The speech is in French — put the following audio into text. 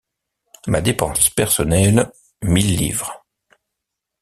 Ma dépense personnelle: mille livres.